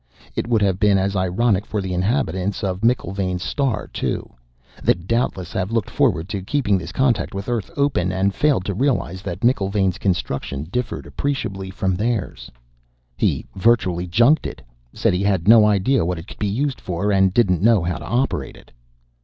It would have been as ironic for the inhabitants of McIlvaine's star, too; they would doubtless have looked forward to keeping this contact with Earth open and failed to realize that McIlvaine's construction differed appreciably from theirs. "He virtually junked it. Said he had no idea what it could be used for, and didn't know how to operate it."